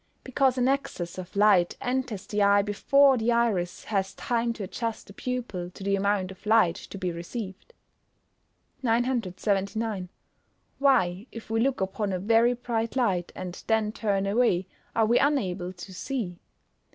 _ Because an excess of light enters the eye before the iris has had time to adjust the pupil to the amount of light to be received. 979. _Why if we look upon a very bright light, and then turn away, are we unable to see?